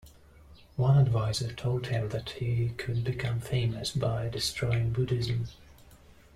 One advisor told him that he could become famous by destroying Buddhism.